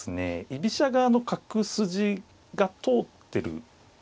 居飛車側の角筋が通ってる。